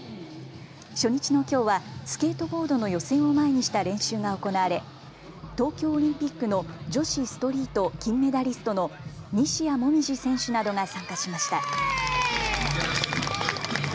初日のきょうはスケートボードの予選を前にした練習が行われ東京オリンピックの女子ストリート金メダリストの西矢椛選手などが参加しました。